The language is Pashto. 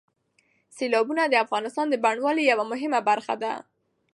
سیلابونه د افغانستان د بڼوالۍ یوه مهمه برخه ده.